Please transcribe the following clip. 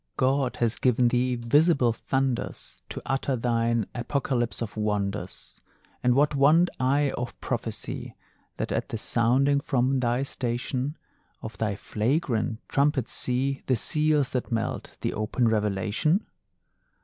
God has given thee visible thunders To utter thine apocalypse of wonders, And what want I of prophecy, That at the sounding from thy station Of thy flagrant trumpet, see The seals that melt, the open revelation?